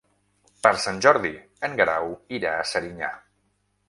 Per Sant Jordi en Guerau irà a Serinyà.